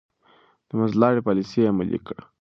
د منځلارۍ پاليسي يې عملي کړه.